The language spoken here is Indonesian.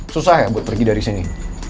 susah ya buat pergi dari sini